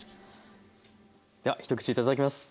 では一口頂きます。